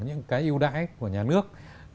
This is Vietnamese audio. những cái yêu đái của nhà nước